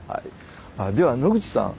では野口さん。